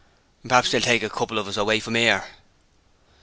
'P'raps's they'll take a couple of us away from ere.'